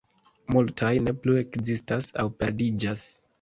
Multaj ne plu ekzistas aŭ perdiĝas.